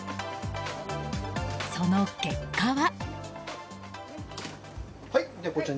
その結果は。